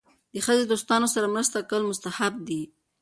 د ښځې دوستانو سره مرسته کول مستحب دي.